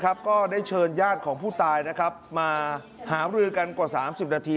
ก็ได้เชิญญาติของผู้ตายมาหามรือกันกว่า๓๐นาที